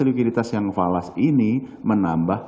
likuiditas yang falas ini menambah